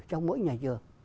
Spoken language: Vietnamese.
trong mỗi nhà trường